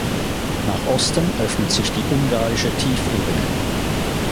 Nach Osten öffnet sich die Ungarische Tiefebene.